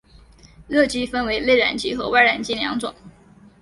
热机分为内燃机和外燃机两种。